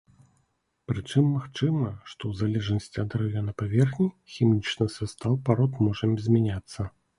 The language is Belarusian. Прычым магчыма, што ў залежнасці ад раёна паверхні, хімічны састаў парод можа змяняцца.